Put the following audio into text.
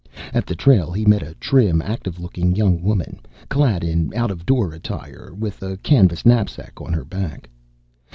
At the trail he met a trim, active looking young woman, clad in out of door attire and with a canvas knapsack on her back.